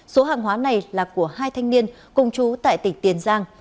số hàng hóa này là của hai thanh niên cùng chú tại tỉnh tiền giang